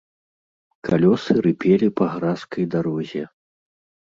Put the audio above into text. Калёсы рыпелі па гразкай дарозе.